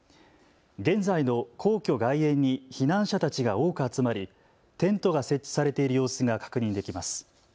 現在の皇居外苑に避難者たちが多く集まりテントが設置されている様子が確認できます。